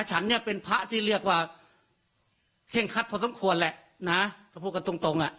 ฉันเนี่ยเป็นพระที่เรียกว่าเคร่งคัดพอสมควรแหละนะก็พูดกันตรงตรงอ่ะ